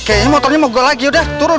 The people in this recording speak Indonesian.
kayaknya motornya mau go lagi udah turun